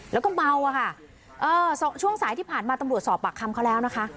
แล้วก็เมาอะค่ะช่วงสายที่ผ่านมาตำรวจสอบปากคำเขาแล้วนะคะ